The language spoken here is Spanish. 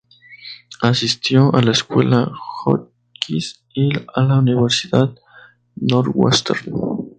Asistió a la Escuela Hotchkiss y a la Universidad Northwestern.